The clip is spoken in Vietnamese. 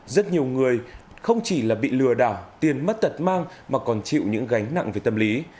rất nhiều người không chỉ là bị lừa đảo tiền mất tật mang mà còn chịu những gánh nặng về tâm lý